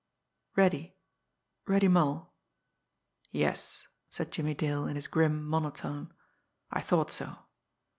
"Reddy Reddy Mull." "Yes," said Jimmie Dale in his grim monotone, "I thought so."